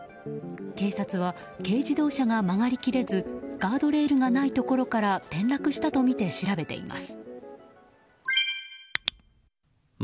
警察は軽自動車が曲がり切れずガードレールがないところから転落したとみて調べています。